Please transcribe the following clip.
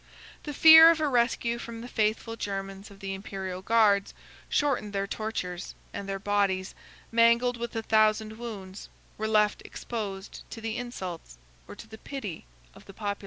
The fear of a rescue from the faithful Germans of the Imperial guards shortened their tortures; and their bodies, mangled with a thousand wounds, were left exposed to the insults or to the pity of the populace.